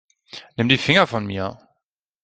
Nimm die Finger von mir.